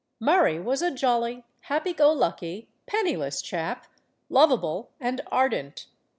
Murray was a jolly, happy go lucky, penniless chap, lovable and ardent.